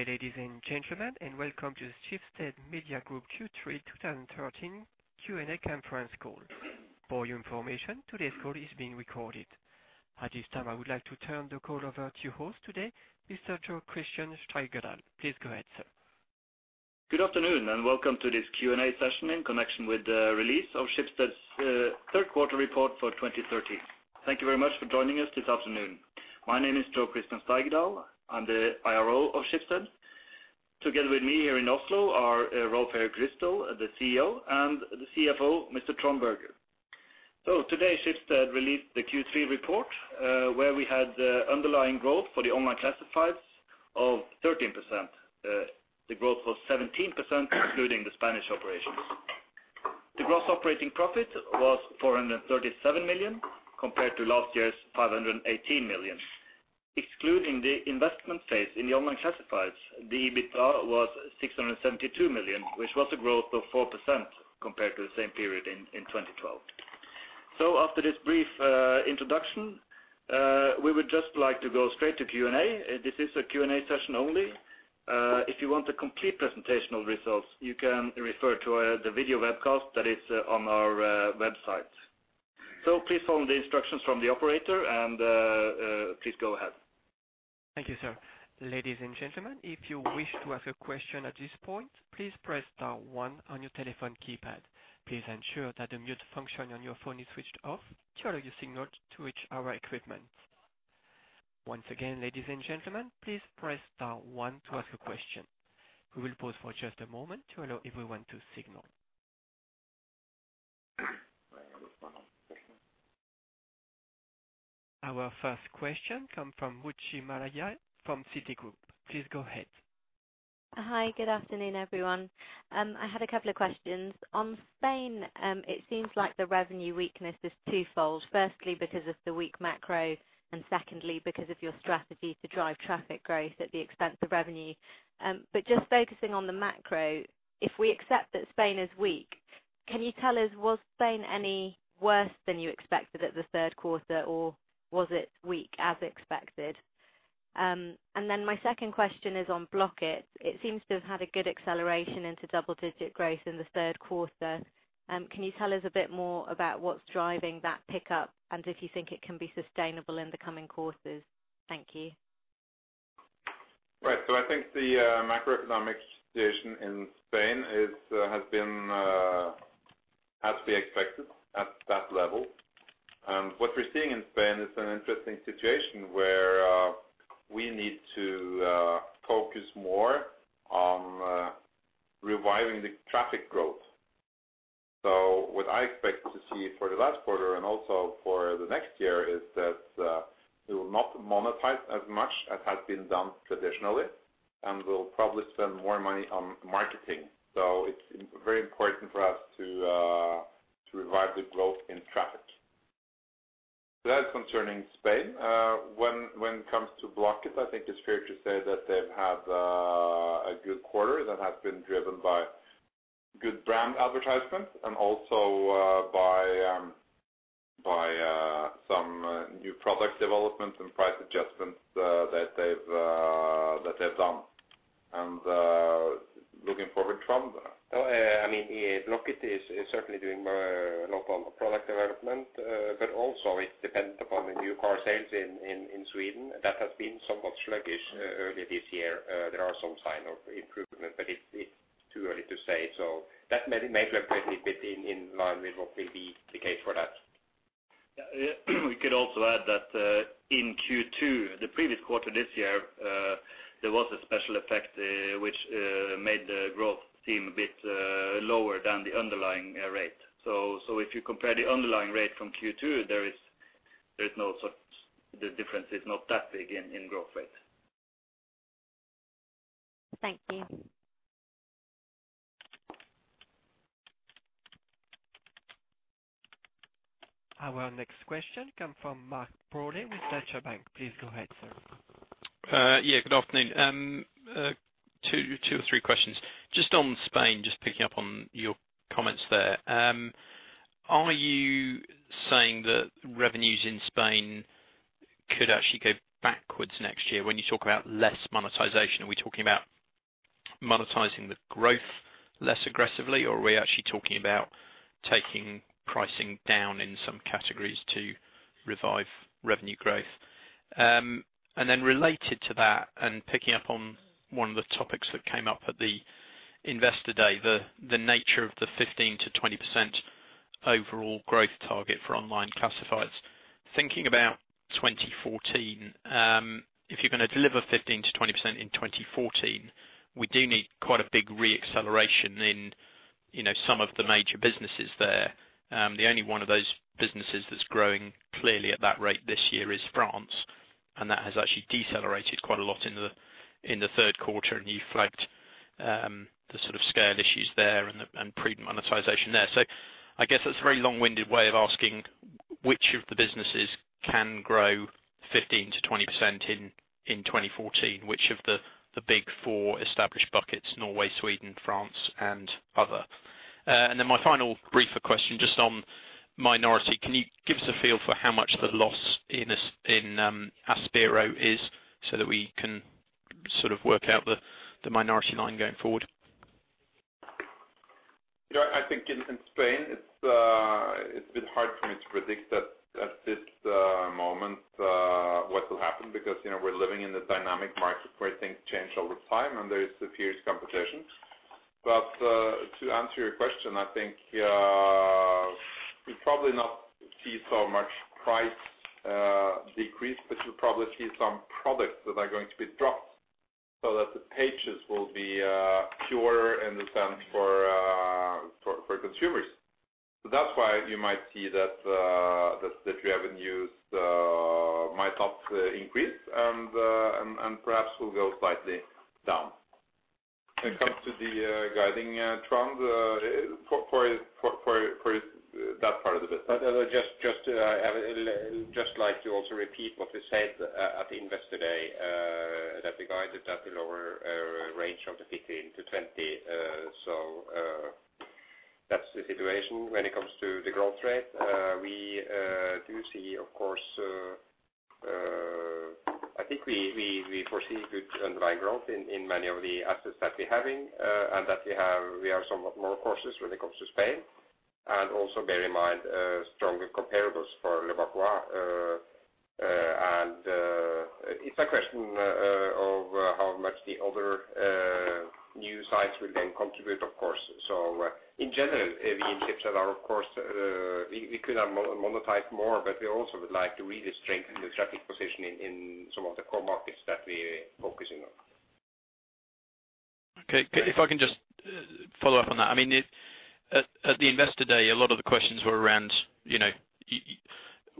Good day, ladies and gentlemen, and welcome to the Schibsted Media Group Q3 2013 Q&A conference call. For your information, today's call is being recorded. At this time, I would like to turn the call over to host today, Mr. Jo Christian Steigedal. Please go ahead, sir. Good afternoon, and welcome to this Q&A session in connection with the release of Schibsted's third quarter report for 2013. Thank you very much for joining us this afternoon. My name is Jo Christian Steigedal. I'm the IRO of Schibsted. Together with me here in Oslo are Rolv Erik Ryssdal, the CEO, and the CFO, Mr. Trond Berger. Today, Schibsted released the Q3 report, where we had the underlying growth for the online classifieds of 13%. The growth was 17% including the Spanish operations. The gross operating profit was 437 million, compared to last year's 518 million. Excluding the investment phase in the online classifieds, the EBITDA was 672 million, which was a growth of 4% compared to the same period in 2012. After this brief introduction, we would just like to go straight to Q&A. This is a Q&A session only. If you want a complete presentational results, you can refer to the video webcast that is on our website. Please follow the instructions from the operator and please go ahead. Thank you, sir. Ladies and gentlemen, if you wish to ask a question at this point, please press star one on your telephone keypad. Please ensure that the mute function on your phone is switched off to allow your signal to reach our equipment. Once again, ladies and gentlemen, please press star one to ask a question. We will pause for just a moment to allow everyone to signal. Our first question come from Ruchi Malaiya from Citigroup. Please go ahead. Hi, good afternoon, everyone. I had a couple of questions. On Spain, it seems like the revenue weakness is twofold. Firstly, because of the weak macro, and secondly, because of your strategy to drive traffic growth at the expense of revenue. Focusing on the macro, if we accept that Spain is weak, can you tell us, was Spain any worse than you expected at the third quarter, or was it weak as expected? My second question is on Blocket. It seems to have had a good acceleration into double-digit growth in the third quarter. Can you tell us a bit more about what's driving that pickup and if you think it can be sustainable in the coming quarters? Thank you. Right. I think the macroeconomic situation in Spain is has been as we expected at that level. What we're seeing in Spain is an interesting situation where we need to focus more on reviving the traffic growth. What I expect to see for the last quarter and also for the next year is that we will not monetize as much as has been done traditionally, and we'll probably spend more money on marketing. It's very important for us to revive the growth in traffic. That's concerning Spain. When it comes to Blocket, I think it's fair to say that they've had a good quarter that has been driven by good brand advertisements and also by some new product developments and price adjustments that they've that they've done. Looking forward, Trond? No, I mean, Blocket is certainly doing local product development, but also it depends upon the new car sales in Sweden. That has been somewhat sluggish earlier this year. There are some sign of improvement, but it's too early to say. That may represent a bit in line with what will be the case for that. Yeah. We could also add that, in Q2, the previous quarter this year, there was a special effect, which, made the growth seem a bit, lower than the underlying, rate. If you compare the underlying rate from Q2, the difference is not that big in growth rate. Thank you. Our next question come from Mark Broadie with Deutsche Bank. Please go ahead, sir. Yeah, good afternoon. Two or 3 questions. Just on Spain, just picking up on your comments there. Are you saying that revenues in Spain could actually go backwards next year? When you talk about less monetization, are we talking about monetizing the growth less aggressively, or are we actually talking about taking pricing down in some categories to revive revenue growth? Related to that, and picking up on one of the topics that came up at the Investor Day, the nature of the 15%-20% overall growth target for online classifieds. Thinking about 2014, if you're gonna deliver 15%-20% in 2014, we do need quite a big re-acceleration in, you know, some of the major businesses there. The only one of those businesses that's growing clearly at that rate this year is France, that has actually decelerated quite a lot in the third quarter. You flagged the sort of scale issues there and pre monetization there. I guess that's a very long-winded way of asking which of the businesses can grow 15%-20% in 2014? Which of the big four established buckets, Norway, Sweden, France and other? My final briefer question just on minority. Can you give us a feel for how much the loss in this, in Aspiro is so that we can sort of work out the minority line going forward? Yeah, I think in Spain, it's a bit hard for me to predict at this moment what will happen because, you know, we're living in a dynamic market where things change over time, and there is a fierce competition. To answer your question, I think we probably not see so much price decrease, but you'll probably see some products that are going to be dropped so that the pages will be purer in the sense for consumers. That's why you might see that revenues might not increase and perhaps will go slightly down. When it comes to the guiding trend for that part of the business. Just to, I would just like to also repeat what we said at the Investor Day, that we guided at the lower range of the 15%-20%. That's the situation when it comes to the growth rate. We do see of course, I think we foresee good underlying growth in many of the assets that we're having, and that we have somewhat more courses when it comes to Spain. Also bear in mind, stronger comparables for leboncoin. It's a question of how much the other new sites will then contribute of course. In general, we in Schibsted are of course, we could have monetized more, but we also would like to really strengthen the traffic position in some of the core markets that we're focusing on. Okay. If I can just follow up on that. I mean, at the Investor Day, a lot of the questions were around, you know,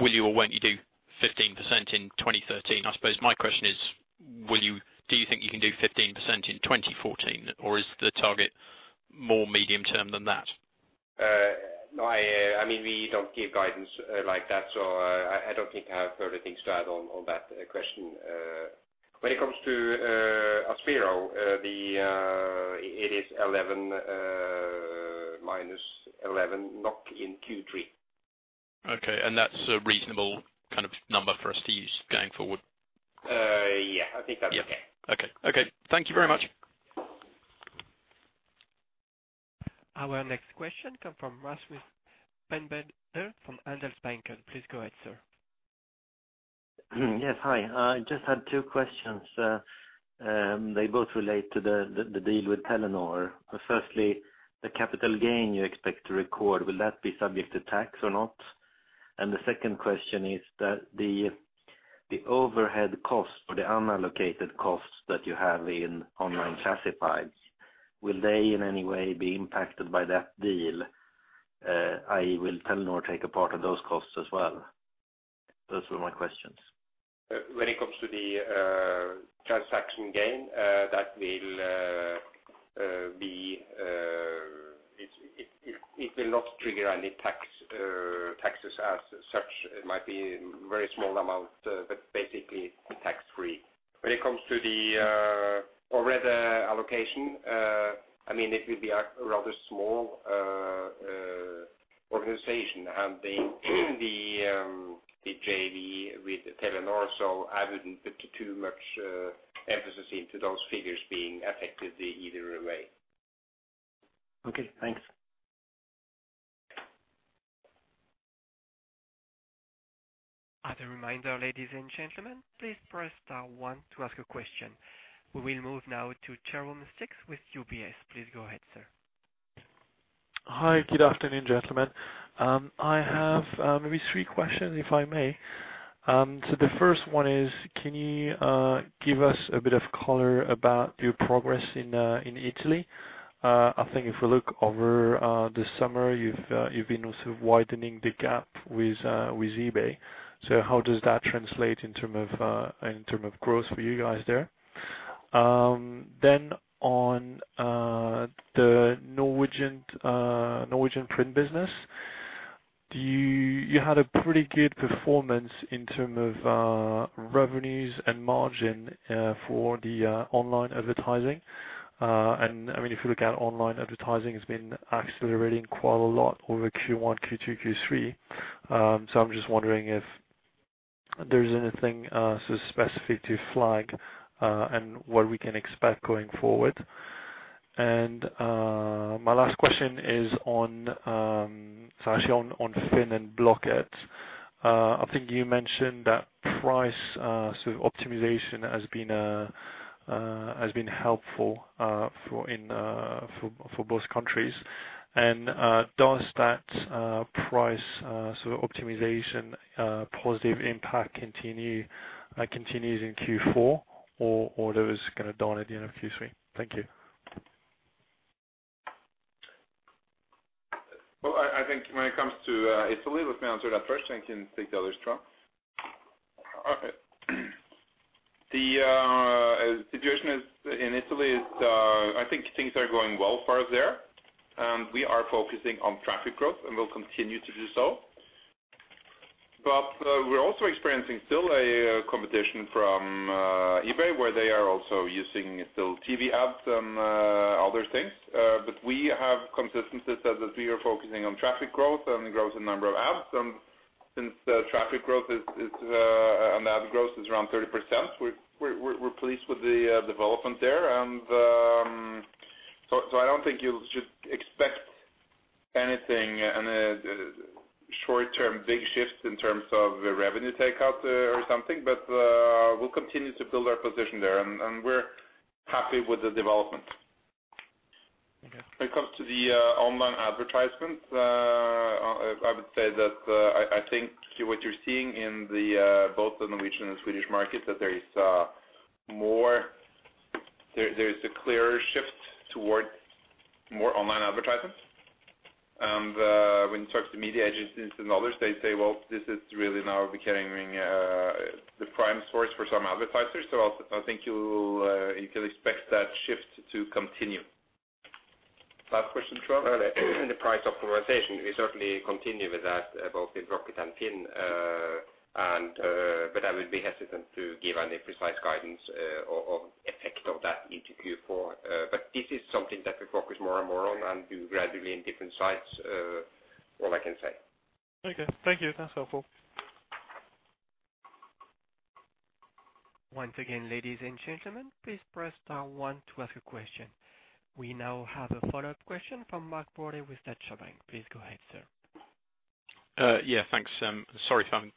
will you or won't you do 15% in 2013? I suppose my question is, will you do you think you can do 15% in 2014, or is the target more medium term than that? No, I mean, we don't give guidance like that, so I don't think I have further things to add on that question. When it comes to Aspiro, it is minus 11 NOK in Q3. Okay. That's a reasonable kind of number for us to use going forward? Yeah. I think that's okay. Yeah. Okay. Okay. Thank you very much. Our next question come from Rasmus Peinberger from Handelsbanken. Please go ahead, sir. Yes. Hi. I just had two questions. They both relate to the deal with Telenor. Firstly, the capital gain you expect to record, will that be subject to tax or not? The second question is that the overhead costs or the unallocated costs that you have in online classifieds, will they in any way be impacted by that deal? i.e., will Telenor take a part of those costs as well? Those were my questions. When it comes to the transaction gain, that will be it will not trigger any taxes as such. It might be very small amount, but basically tax-free. When it comes to the overhead allocation, I mean, it will be a rather small organization and the JV with Telenor. I wouldn't put too much emphasis into those figures being affected either way. Okay, thanks. As a reminder, ladies and gentlemen, please press star 1 to ask a question. We will move now to Jerome Stix with UBS. Please go ahead, sir. Hi. Good afternoon, gentlemen. I have maybe three questions, if I may. The first one is, can you give us a bit of color about your progress in Italy? I think if we look over the summer, you've been also widening the gap with eBay. How does that translate in term of growth for you guys there? On the Norwegian print business, you had a pretty good performance in term of revenues and margin for the online advertising. I mean, if you look at online advertising, it's been accelerating quite a lot over Q1, Q2, Q3. I'm just wondering if there's anything so specific to flag and what we can expect going forward. My last question is on, actually on FINN and Blocket. I think you mentioned that price sort of optimization has been helpful for both countries. Does that price sort of optimization positive impact continues in Q4 or that was gonna dawn at the end of Q3? Thank you. Well, I think when it comes to Italy, let me answer that first, then can take the others from. Okay. The situation is in Italy is, I think things are going well for us there, and we are focusing on traffic growth, and we'll continue to do so. We're also experiencing still a competition from eBay, where they are also using still TV ads and other things. We have consistency that we are focusing on traffic growth and growth in number of apps. Since the traffic growth is on ad growth is around 30%. We're pleased with the development there. So I don't think you should expect anything in a short-term big shift in terms of the revenue takeout or something. We'll continue to build our position there, and we're happy with the development. Okay. When it comes to the online advertisements, I would say that I think what you're seeing in the both the Norwegian and Swedish markets, that there is more, there's a clear shift towards more online advertisements. When you talk to media agencies and others, they say, "Well, this is really now becoming the prime source for some advertisers." I think you'll you can expect that shift to continue. Last question, Trond. The price optimization, we certainly continue with that both in Blocket and FINN. I would be hesitant to give any precise guidance, or effect of that into Q4. This is something that we focus more and more on and do gradually in different sites, all I can say. Okay, thank you. That's helpful. Once again, ladies and gentlemen, please press star 1 to ask a question. We now have a follow-up question from Mark Broadie with Deutsche Bank. Please go ahead, sir. Yeah, thanks. Sorry if I'm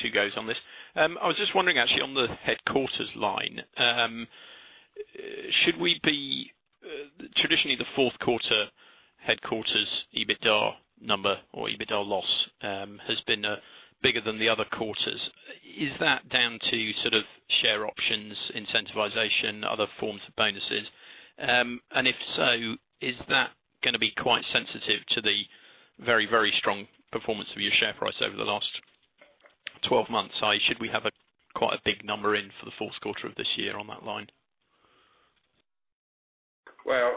two goes on this. I was just wondering actually on the headquarters line. Traditionally, the fourth quarter headquarters EBITDA number or EBITDA loss has been bigger than the other quarters. Is that down to sort of share options, incentivization, other forms of bonuses? If so, is that gonna be quite sensitive to the very, very strong performance of your share price over the last 12 months? Should we have a quite a big number in for the fourth quarter of this year on that line? Well,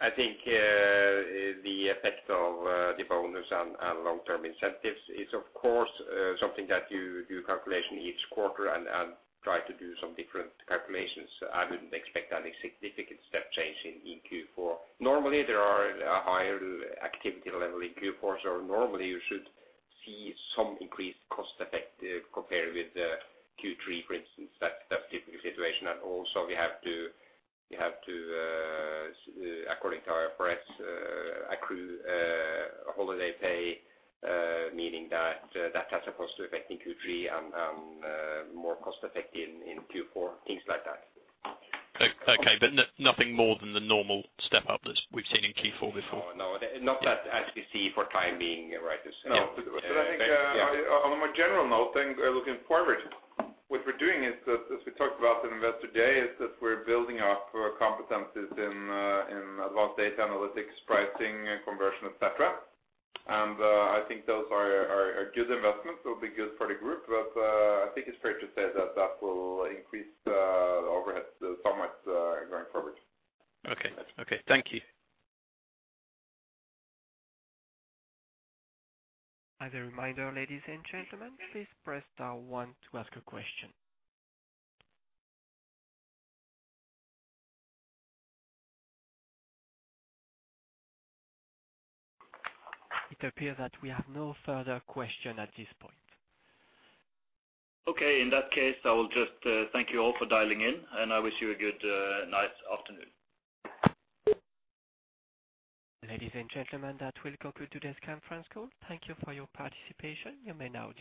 I think the effect of the bonus on and long-term incentives is of course something that you do calculation each quarter and try to do some different calculations. I wouldn't expect any significant step change in Q4. Normally, there are a higher activity level in Q4. Normally you should see some increased cost effective compared with Q3, for instance. That's typically the situation. Also we have to, according to our forex, accrue holiday pay, meaning that that has a cost effect in Q3 and more cost effect in Q4, things like that. Okay, nothing more than the normal step-up that we've seen in Q4 before? No, no. Not that as you see for time being, right. No. I think, on a more general note then looking forward, what we're doing is that as we talked about in Investor Day, is that we're building up competencies in advanced data analytics, pricing, conversion, et cetera. I think those are good investments. They'll be good for the group. I think it's fair to say that that will increase, the overheads somewhat, going forward. Okay. Okay. Thank you. As a reminder, ladies and gentlemen, please press star one to ask a question. It appears that we have no further question at this point. Okay. In that case, I will just thank you all for dialing in, and I wish you a good nice afternoon. Ladies and gentlemen, that will conclude today's conference call. Thank you for your participation. You may now disconnect.